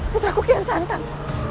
putraku kian santan